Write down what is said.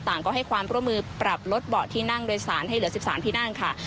ก็ให้ความร่วมมือปรับลดเบาะที่นั่งโดยสารให้เหลือ๑๓ที่นั่งค่ะ